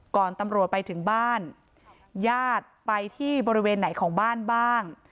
ตำรวจไปถึงบ้านญาติไปที่บริเวณไหนของบ้านบ้าง